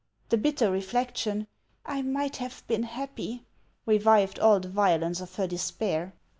The bitter reflection, " I might have been happy !" revived all the violence of her despair.